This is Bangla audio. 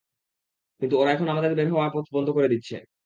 কিন্তু ওরা এখন আমাদের বের হবার পথ বন্ধ করে দিচ্ছে।